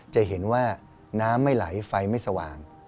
จะเห็นว่าน้ำไม่ไหลไฟไม่สว่าง